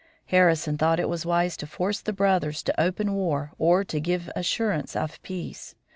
Harrison thought it wise to force the brothers to open war or to give assurance of peace.